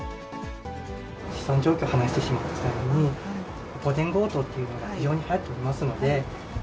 資産状況を話してしまった際に、アポ電強盗というのが非常にはやっておりますので。